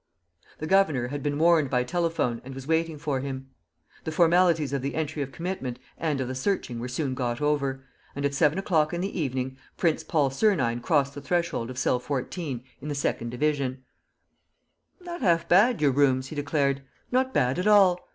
The governor had been warned by telephone and was waiting for him. The formalities of the entry of commitment and of the searching were soon got over; and, at seven o'clock in the evening, Prince Paul Sernine crossed the threshold of cell 14 in the second division: "Not half bad, your rooms," he declared, "not bad at all!